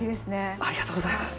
ありがとうございます。